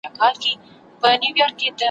هر پاچا ورته لېږله سوغاتونه ,